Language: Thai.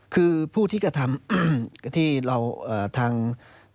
คือผู้ที่กระทำที่เราทางพนักงานโดยนิยาการ